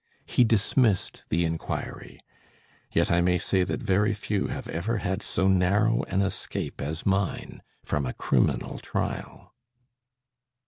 He dismissed the inquiry; yet I may say that very few have ever had so narrow, an escape as mine from a criminal trial."